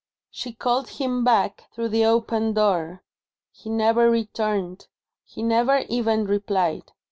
She called him back, through the open door. He never returned; he never even replied.